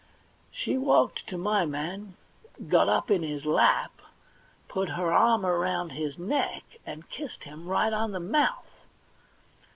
She walked to my man, got up in his lap, put her arm round his neck, and kissed him right on the mouth.